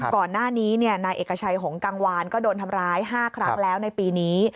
ก่อนหน้านี้นายเอกชัยหงกังวานก็โดนทำร้าย๕ครั้งแล้วในปีนี้